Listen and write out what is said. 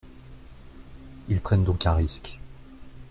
Ils prennent donc un risque.